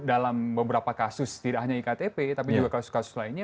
dalam beberapa kasus tidak hanya iktp tapi juga kasus kasus lainnya